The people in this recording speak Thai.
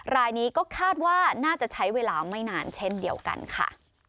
รายนี้ก็คาดว่าน่าจะใช้เวลาไม่นานเช่นเดียวกันค่ะ